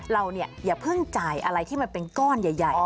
เราเนี่ยอย่าเพิ่งจ่ายอะไรที่มันเป็นก้อนใหญ่